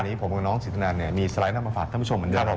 วันนี้ผมกับน้องสิริธนามีสไลด์นำมาฝัดท่านผู้ชม